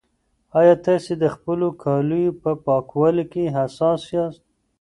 ایا تاسي د خپلو کالیو په پاکوالي کې حساس یاست؟